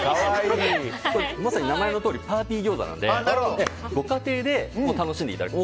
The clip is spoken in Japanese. まさに名前のとおりパーティーぎょうざなのでご家庭で楽しんでいただける。